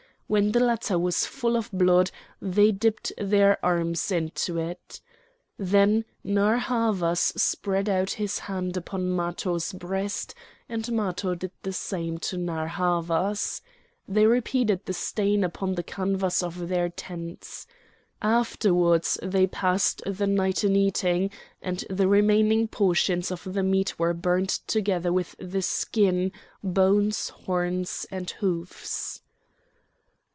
When the latter was full of blood they dipped their arms into it. Then Narr' Havas spread out his hand upon Matho's breast, and Matho did the same to Narr' Havas. They repeated the stain upon the canvas of their tents. Afterwards they passed the night in eating, and the remaining portions of the meat were burnt together with the skin, bones, horns, and hoofs.